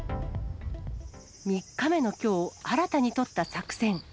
３日目のきょう、新たに取った作戦。